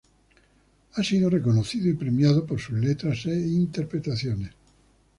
Ha sido reconocido y premiado por sus letras e interpretaciones.